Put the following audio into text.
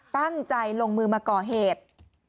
ตั้งใจลงมือมาก่อเหตุ